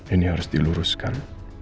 ini harus diluruskan